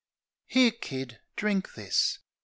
'Ere, Kid, drink this" ...